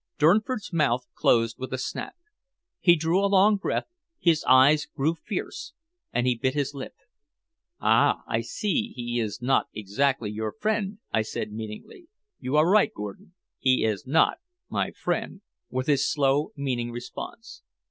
Durnford's mouth closed with a snap. He drew a long breath, his eyes grew fierce, and he bit his lip. "Ah! I see he is not exactly your friend," I said meaningly. "You are right, Gordon he is not my friend," was his slow, meaning response.